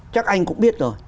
chắc anh cũng biết rồi